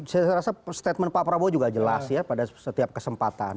saya rasa statement pak prabowo juga jelas ya pada setiap kesempatan